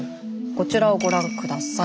こちらをご覧下さい。